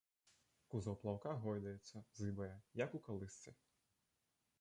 Кузаў плаўка гойдаецца, зыбае, як у калысцы.